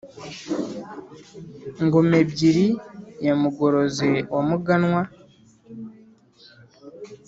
ngom-ebyiri ya mugorozi wa muganwa,